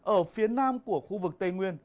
ở phía nam của khu vực tây nguyên